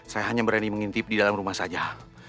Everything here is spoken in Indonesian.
saya hanya berani mengintip di dalam rumah saja